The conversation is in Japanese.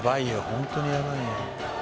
ホントにやばいよ。